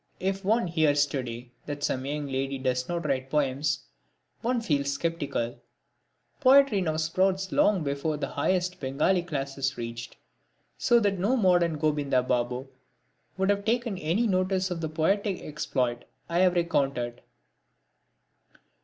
If one hears to day that some young lady does not write poems one feels sceptical. Poetry now sprouts long before the highest Bengali class is reached; so that no modern Gobinda Babu would have taken any notice of the poetic exploit I have recounted.